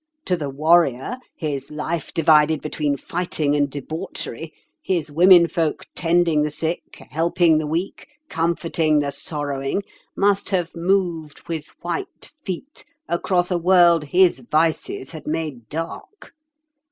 To the warrior, his life divided between fighting and debauchery, his womenfolk tending the sick, helping the weak, comforting the sorrowing, must have moved with white feet across a world his vices had made dark.